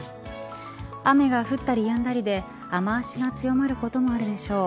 雨が降ったりやんだりで雨脚が強まることもあるでしょう。